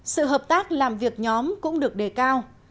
sự hợp tác làm việc nhóm cũng được đề cao